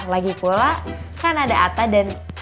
lagi pula kan ada atta dan